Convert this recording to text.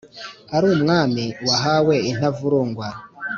ari umwami wahawe intavurungwa,